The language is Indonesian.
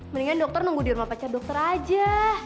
mendingan dokter nunggu di rumah pacar dokter aja